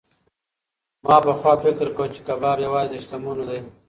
ما پخوا فکر کاوه چې کباب یوازې د شتمنو دی.